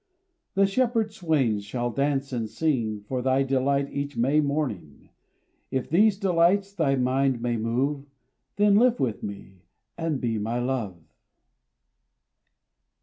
The shepherd swains shall dance and sing For thy delight each May morning: If these delights thy mind may move. Then live with me, and be my love.